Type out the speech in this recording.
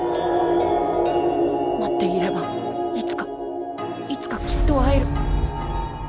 待っていればいつかいつかきっと会える。